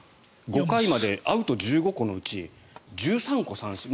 ５回まで、アウト１５個のうち１３個三振。